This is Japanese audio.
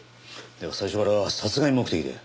では最初から殺害目的で？